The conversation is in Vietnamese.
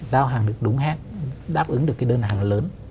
giao hàng được đúng hạn đáp ứng được cái đơn hàng lớn